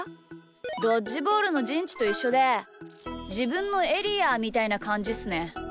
ドッジボールのじんちといっしょでじぶんのエリアみたいなかんじっすね。